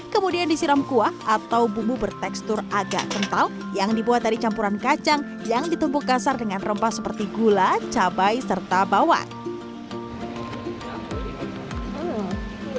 kemudian disiram kuah atau bumbu bertekstur agak kental yang dibuat dari campuran kacang yang ditumpuk kasar dengan rempah seperti gula cabai serta bawang